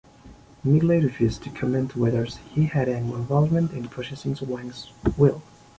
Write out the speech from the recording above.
Midgley refused to comment whether he had any involvement in processing Wang's will.